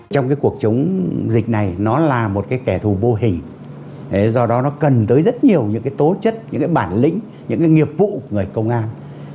trong cuộc chống dịch này nó là một kẻ thù vô hình do đó nó cần tới rất nhiều tố chất bản lĩnh nghiệp vụ của người công an